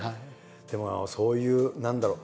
でもそういう何だろう